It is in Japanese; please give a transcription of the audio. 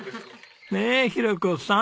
ねえ裕子さん。